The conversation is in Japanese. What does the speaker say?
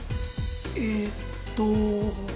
えーっと。